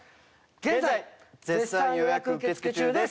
現在絶賛予約受付中です。